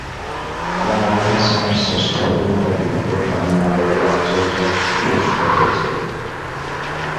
কমল হাসন শ্রেষ্ঠ অভিনেতা বিভাগে তামিলনাড়ু রাজ্য চলচ্চিত্র পুরস্কার পেয়েছিলেন।